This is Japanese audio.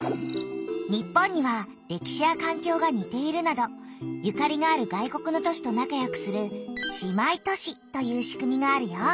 日本には歴史やかんきょうがにているなどゆかりがある外国の都市と仲よくする「姉妹都市」というしくみがあるよ。